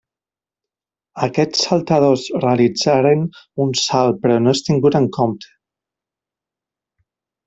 Aquests saltadors realitzaren un salt però no és tingut en compte.